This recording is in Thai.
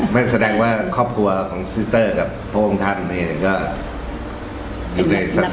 ไม่แสดงว่าครอบครัวของซิสเตอร์กับพวกองท่านเนี่ยก็อยู่ในศาสนา